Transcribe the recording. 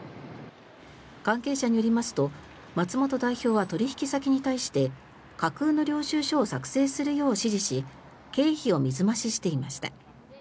関係者によりますと松本代表は取引先に対して架空の領収書を作成するよう指示し経費を水増ししていました。